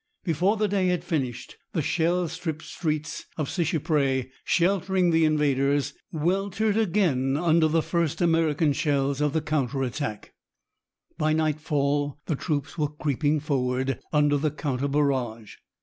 Before the day had finished the shell stripped streets of Seicheprey, sheltering the invaders, weltered again under the first American shells of the counter attack. By nightfall the troops were creeping forward under the counter barrage.